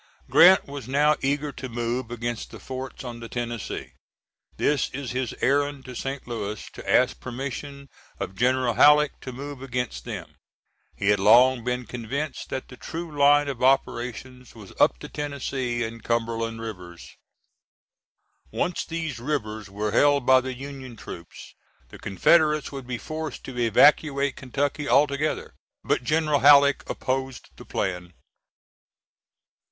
Grant was now eager to move against the forts on the Tennessee. This is his errand to St. Louis, to ask permission of General Halleck to move against them. He had long been convinced that the true line of operations was up the Tennessee and Cumberland Rivers. Once these rivers were held by the Union troops, the Confederates would be forced to evacuate Kentucky altogether. But General Halleck opposed the plan.